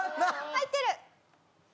入ってる！